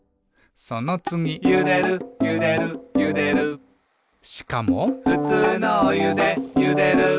そのつぎ「ゆでるゆでるゆでる」しかも「ふつうのおゆでゆでる」